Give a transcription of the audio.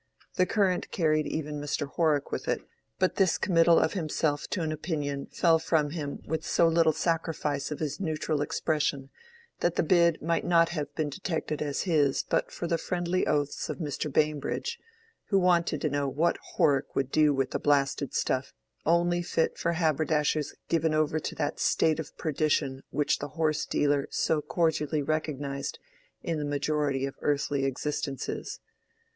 The current carried even Mr. Horrock with it, but this committal of himself to an opinion fell from him with so little sacrifice of his neutral expression, that the bid might not have been detected as his but for the friendly oaths of Mr. Bambridge, who wanted to know what Horrock would do with blasted stuff only fit for haberdashers given over to that state of perdition which the horse dealer so cordially recognized in the majority of earthly existences.